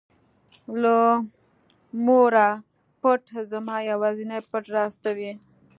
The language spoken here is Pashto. له موره پټ زما یوازینى پټ راز ته وې.